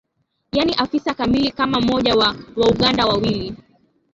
yaani afisa kamili kama mmoja wa Wauganda wawili